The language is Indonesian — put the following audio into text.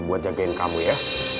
buat jagain kamu ya